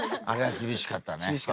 厳しかった。